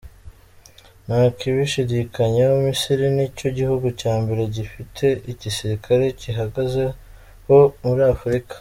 Nta kubishidikanyaho Misiri ni cyo gihugu cya mbere gifite igisirikare kihagazeho muri Afurika.